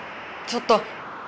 ちょっと！